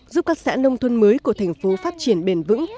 giúp các xã nông thôn mới của thành phố phát triển bền vững